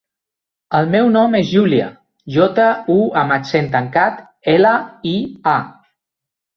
El meu nom és Júlia: jota, u amb accent tancat, ela, i, a.